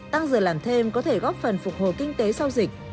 tăng giờ làm thêm có thể góp phần phục hồi kinh tế sau dịch